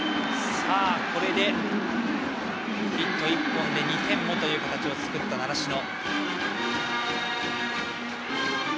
これでヒット１本で２点をという形を作った習志野。